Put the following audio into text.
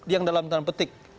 yang dalam tanah petik